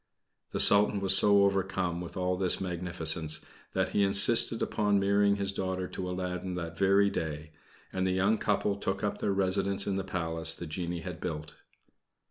The Sultan was so overcome with all this magnificence, that he insisted upon marrying his daughter to Aladdin that very day, and the young couple took up their residence in the Palace the genie had built.